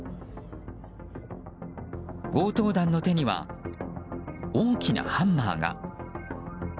強盗団の手には大きなハンマーが。